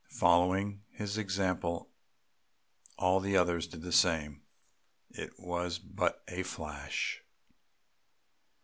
Following his example all the others did the same! It was but a flash!